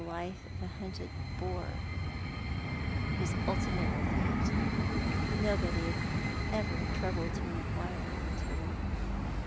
life of a liuntecl boar, whose nltimate fate nobody had ever troubled to inquire into.